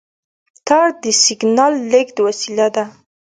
تار د سیګنال لېږد وسیله ده.